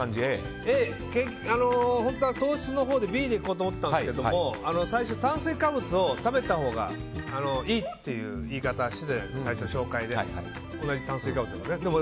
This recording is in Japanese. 本当は糖質のほうでＢでいこうと思ったんですが最初、炭水化物を食べたほうがいいっていう言い方をしていて最初の紹介で同じ炭水化物でも。